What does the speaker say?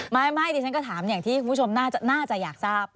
ไม่ดิฉันก็ถามอย่างที่คุณผู้ชมน่าจะอยากทราบ